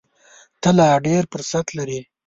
ته لا ډېر فرصت لرې !